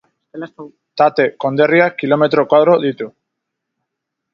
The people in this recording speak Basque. Tate konderriak kilometro koadro ditu.